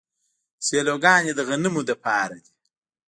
سیلوګانې د غنمو لپاره دي.